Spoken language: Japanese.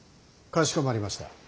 かしこまりました。